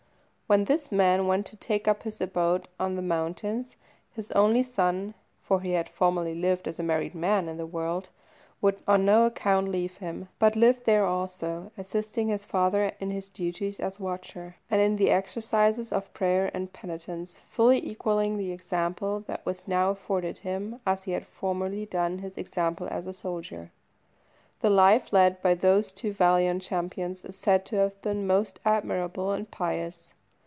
When this man went to take up his abode upon the mountains, his only son (for he had formerly lived as a married man in the world) would on no account leave him, but lived there also, assisting his father in his duties as watcher, and in the exercises of prayer and penitence, fully equalling the example that was now afforded him as he had formerly done his example as a soldier. The life led by those two valiant champions is said to have been most admirable and pious.